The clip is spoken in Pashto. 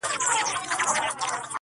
اوښکي ساتمه ستا راتلو ته تر هغې پوري!